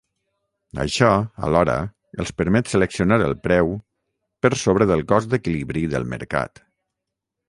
Això, alhora, els permet seleccionar el preu, per sobre del cost d'equilibri del mercat.